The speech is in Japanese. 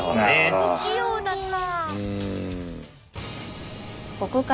不器用だな。